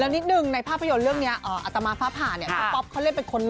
และนิดนึงในภาพยนตร์เรื่องนี้อาตมาฟ้าผ่านป๊อปเขาเรียกเป็นคนหล่อ